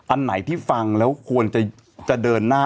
อันไหนที่ฟังแล้วควรจะเดินหน้า